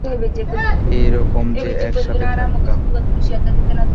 এরকম যে, একসাথে থাকতাম।